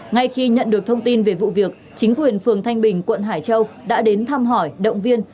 ngay khi nhận được thông tin về vụ việc chính quyền phường thanh bình quận hải châu đã đến thăm hỏi động viên